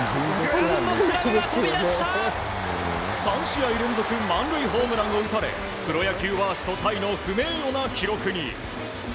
３試合連続満塁ホームランを打たれプロ野球ワーストタイの不名誉な記録に。